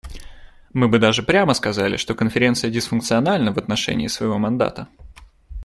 Мы бы даже прямо сказали, что Конференция дисфункциональна в отношении своего мандата.